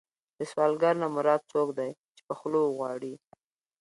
له سوالګر نه مراد څوک دی چې په خوله وغواړي.